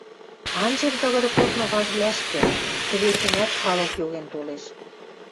Анжем тыгыды корныважвлӓшкӹ: тӹвецӹнӓт халык йоген толеш.